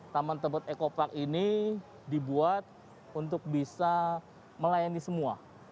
taman tebet eco park ini dibuat untuk bisa melayani semua